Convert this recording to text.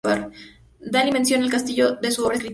Dalí menciona el Castillo en su obra escrita.